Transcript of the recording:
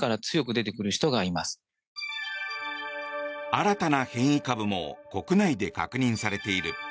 新たな変異株も国内で確認されている。